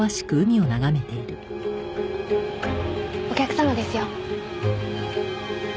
お客様ですよ。